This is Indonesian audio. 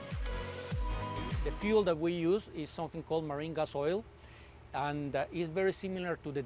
pembuatan yang kami gunakan adalah sebuah minyak asam maring